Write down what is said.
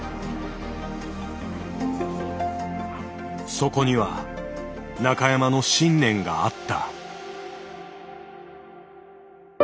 そこには中山の信念があった。